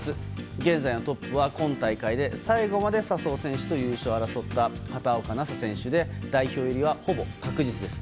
現在のトップは今大会で最後まで笹生選手と争った畑岡奈紗選手で代表入りはほぼ確実です。